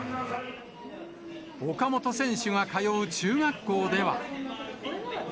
岡本選手が通う中学校では。